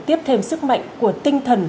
tiếp thêm sức mạnh của tinh thần